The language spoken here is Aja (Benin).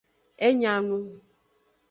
E nya nu.